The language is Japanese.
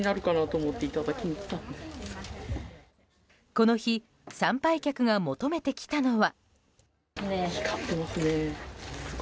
この日、参拝客が求めてきたのは。